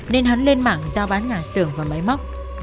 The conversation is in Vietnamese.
nên hắn lên mạng giao bán nhà xưởng và máy móc